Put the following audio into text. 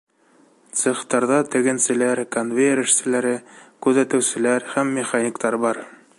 Цехтарҙа тегенселәр, конвейер эшселәре, күҙәтеүселәр һәм механиктар бар.